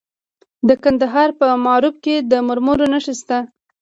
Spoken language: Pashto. د کندهار په معروف کې د مرمرو نښې شته.